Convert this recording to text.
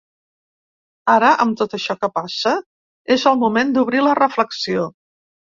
Ara, amb tot això que passa, és el moment d’obrir la reflexió.